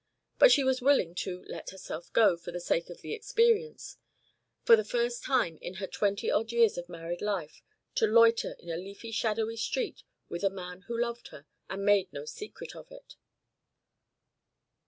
But she was willing to "let herself go," for the sake of the experience; for the first time in her twenty odd years of married life to loiter in a leafy shadowy street with a man who loved her and made no secret of it.